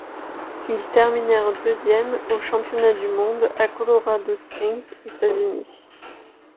Ils terminèrent deuxièmes aux Championnats du monde à Colorado Springs, États-Unis.